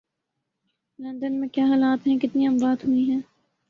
London میں کیا حالات ہیں، کتنی اموات ہوئی ہیں